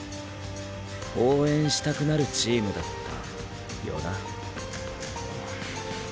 応援したくなるチームだったよな。